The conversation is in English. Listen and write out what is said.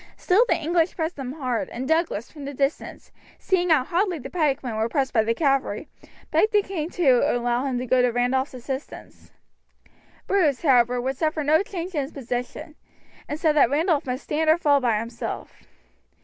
Still the English pressed them hard, and Douglas, from the distance, seeing how hotly the pikemen were pressed by the cavalry, begged the king to allow him to go to Randolph's assistance. Bruce, however, would suffer no change in his position, and said that Randolph must stand or fall by himself.